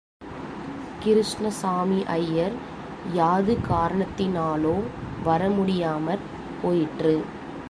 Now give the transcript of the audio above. கிருஷ்ணசாமி ஐயர் யாது காரணத்தினாலோ வர முடியாமற் போயிற்று.